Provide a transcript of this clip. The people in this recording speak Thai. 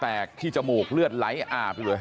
แล้วป้าไปติดหัวมันเมื่อกี้แล้วป้าไปติดหัวมันเมื่อกี้